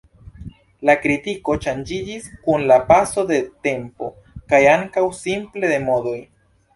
La kritiko ŝanĝiĝis kun la paso de tempo kaj ankaŭ simple de modoj.